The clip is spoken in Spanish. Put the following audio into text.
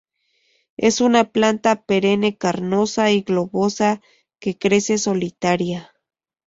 Es una planta perenne carnosa y globosa que crece solitaria.